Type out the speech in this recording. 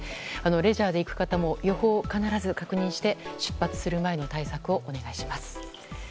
レジャーで行く方も予報を必ず確認して出発する前に対策をお願いします。